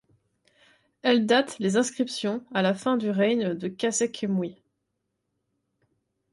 Elle date les inscriptions à la fin du règne de Khâsekhemoui.